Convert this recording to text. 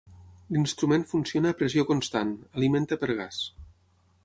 L'instrument funciona a pressió constant, alimenta per gas.